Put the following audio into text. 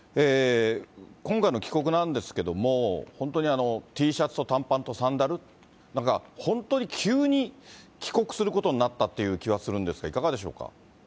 今回の帰国なんですけども、本当にＴシャツと短パンとサンダル、なんか本当に急に帰国することになったという気はするんですが、いかがですか。